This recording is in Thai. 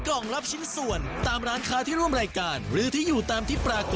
จากจังหวัดนครสวรรค์